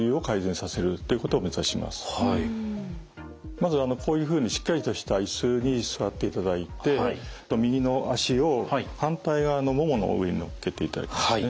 まずこういうふうにしっかりとしたいすに座っていただいて右の足を反対側のももの上に乗っけていただきますね。